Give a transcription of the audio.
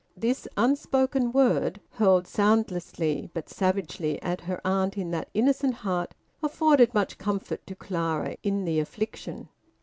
This unspoken word, hurled soundlessly but savagely at her aunt in that innocent heart, afforded much comfort to Clara in the affliction.